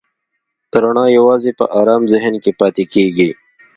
رڼا یواځې په آرام ذهن کې پاتې کېږي.